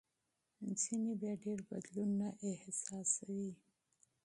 ځینې بیا ډېر بدلون نه احساسوي.